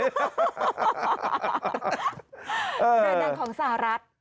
อันนั้นของสหรัฐ